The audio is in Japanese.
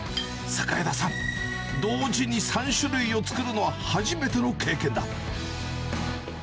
榮田さん、同時に３種類を作るのは初めての経験だ。